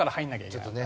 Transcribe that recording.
ちょっとね